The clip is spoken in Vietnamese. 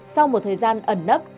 sau một thời gian ẩn nấp